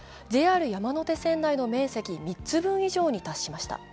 ＪＲ山手線内の駅３つ分に達しました。